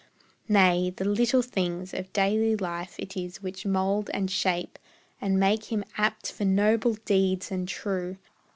Nay, the little things Of daily life it is which mold, and shape, And make him apt for noble deeds and true.